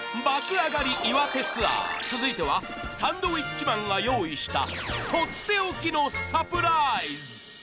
上がり岩手ツアー続いてはサンドウィッチマンが用意したとっておきのサプライズ